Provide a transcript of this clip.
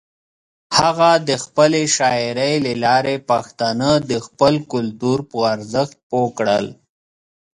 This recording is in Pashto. هغه د خپلې شاعرۍ له لارې پښتانه د خپل کلتور پر ارزښت پوه کړل.